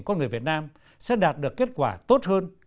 con người việt nam sẽ đạt được kết quả tốt hơn